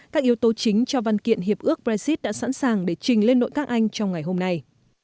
các yếu tố chính cho văn kiện hiệp ước brexit đã sẵn sàng để trình lên nội các anh trong ngày hôm nay